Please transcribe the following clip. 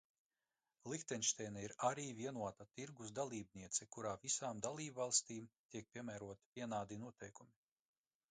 Lihtenšteina ir arī vienotā tirgus dalībniece, kurā visām dalībvalstīm tiek piemēroti vienādi noteikumi.